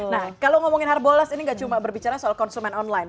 nah kalau ngomongin harbolas ini gak cuma berbicara soal konsumen online